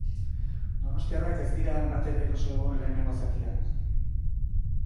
Donostiarrak ez dira batere eroso egon lehenengo zatian.